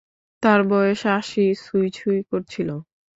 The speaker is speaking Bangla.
তাঁর বয়স আশি ছুঁই ছুঁই করছিল।